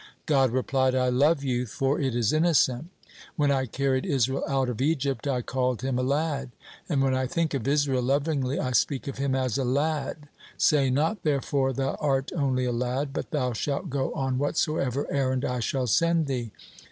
God replied: "I love youth, for it is innocent. When I carried Israel out of Egypt, I called him a lad, and when I think of Israel lovingly, I speak of him as a lad. Say not, therefore, thou art only a lad, but thou shalt go on whatsoever errand I shall send thee.